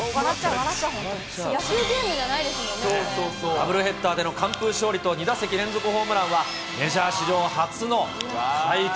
ダブルヘッダーでの完封勝利と２打席連続ホームランは、メジャー史上初の快挙。